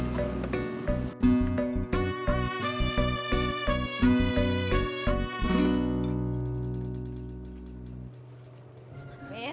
aku bisa buat apa ribuan lain